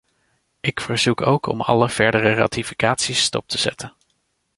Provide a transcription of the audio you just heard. Ik verzoek ook om alle verdere ratificaties stop te zetten.